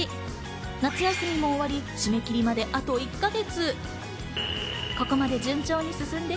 夏休みも終わり、締め切りまであと１か月。